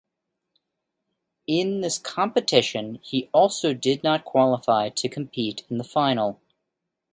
In this competition he also did not qualify to compete in the final.